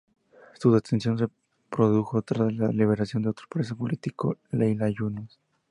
Su detención se produjo tras la liberación de otro preso político, Leyla Yunus.